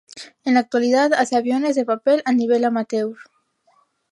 En la actualidad, hace aviones de papel a nivel amateur.